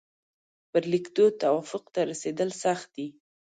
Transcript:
پر لیکدود توافق ته رسېدل سخت دي.